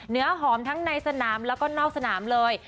เนื้อหอมทั้งในสนามแล้วก็นอกสนามเลย